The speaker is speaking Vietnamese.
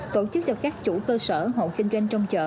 tổ chức cho các chủ cơ sở hộ kinh doanh trong chợ